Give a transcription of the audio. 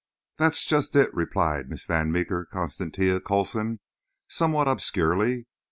"That's just it," replied Miss Van Meeker Constantia Coulson, somewhat obscurely.